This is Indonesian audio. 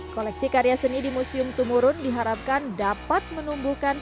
koleksi karya seni di museum tumurun diharapkan dapat menumbuhkan